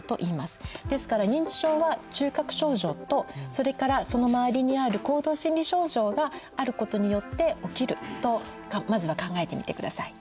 ですから認知症は中核症状とそれからその周りにある行動心理症状があることによって起きるとまずは考えてみてください。